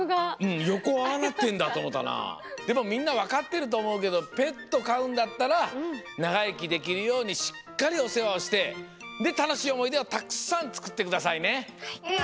でもみんなわかってるとおもうけどペットかうんだったらながいきできるようにしっかりおせわをしてでたのしいおもいでをたくさんつくってくださいね。